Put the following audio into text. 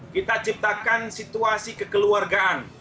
kita ciptakan situasi kekeluargaan